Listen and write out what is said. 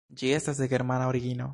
Ĝi estas de germana origino.